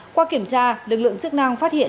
qua kiểm tra lực lượng chức năng phát hiện